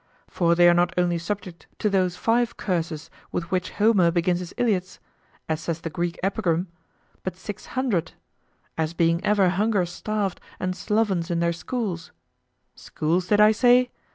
For they are not only subject to those five curses with which Home begins his Iliads, as says the Greek epigram, but six hundred; as being ever hunger starved and slovens in their schools schools, did I say?